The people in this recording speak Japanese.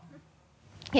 いや。